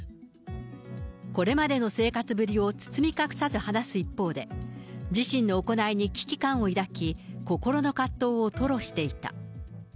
これまでの生活ぶりを包み隠さず話す一方で、自身の行いに危機感を抱き、心の葛藤を吐露していた。